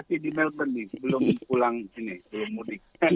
masih di melbourne belum pulang sini